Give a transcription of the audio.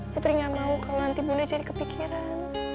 putri gak mau kamu nanti bunda jadi kepikiran